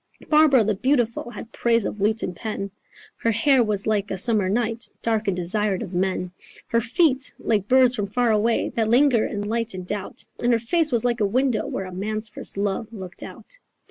"Barbara the beautiful Had praise of lute and pen: Her hair was like a summer night Dark and desired of men. Her feet like birds from far away That linger and light in doubt; And her face was like a window Where a man's first love looked out.